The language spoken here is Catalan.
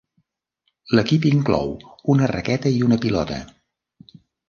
L'equip inclou una raqueta i una pilota.